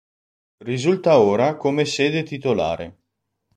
Risulta ora come sede titolare.